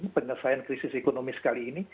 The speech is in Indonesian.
penyelesaian krisis ekonomi sekali ini